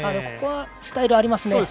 ここはスタイル、ありますね。